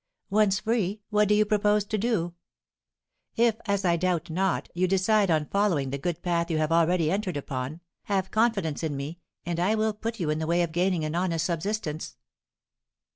Once free, what do you propose to do? If, as I doubt not, you decide on following the good path you have already entered upon, have confidence in me, and I will put you in the way of gaining an honest subsistence."